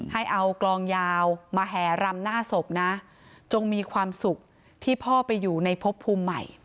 ให้เอากลองยาวมาแห่รำหน้าศพนะจงมีความสุขที่พ่อไปอยู่ในพบภูมิใหม่